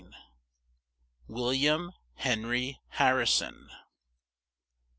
] WIL LIAM HEN RY HAR RI SON.